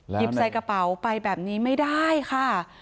หยิบใส่กระเป๋าไปแบบนี้ไม่ได้ค่ะ